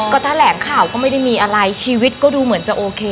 ก็แถลงข่าวก็ไม่ได้มีอะไรชีวิตก็ดูเหมือนจะโอเค